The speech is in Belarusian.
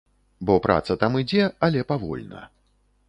Бо праца там ідзе, але павольна.